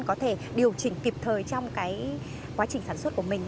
có thể điều chỉnh kịp thời trong cái quá trình sản xuất của mình